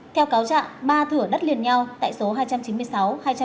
theo cáo trạng ba thử ở đất liền nhau tại số hai trăm chín mươi sáu hai trăm chín mươi tám